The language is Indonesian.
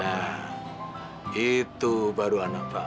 nah itu baru anak pak